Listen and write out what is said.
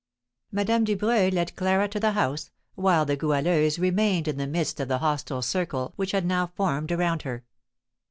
Madame Dubreuil led Clara to the house, while the Goualeuse remained in the midst of the hostile circle which had now formed around her.